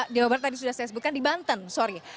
jawa barat tadi sudah saya sebutkan di banten sorry